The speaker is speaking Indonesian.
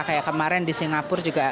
kayak kemarin di singapura juga